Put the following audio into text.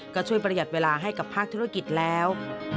ก็ช่วยประหยัดเวลาให้กับภาคธุรกิจแล้ว